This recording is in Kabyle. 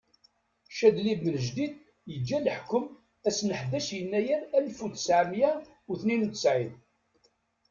Cadli Benǧdid yeǧǧa leḥkum ass n ḥdac yennayer alef utseɛ meyya utnayen utesɛin.